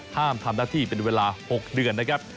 ห้ามทำหน้าที่เป็นเวลา๖เดือนนะครับ